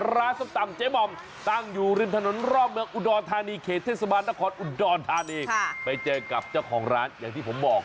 ร้านนี้ไปเจอกับเจ้าของร้านอย่างที่ผมบอก